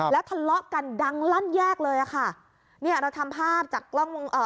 แล้วทะเลาะกันดังลั่นแยกเลยอ่ะค่ะเนี่ยเราทำภาพจากกล้องวงเอ่อ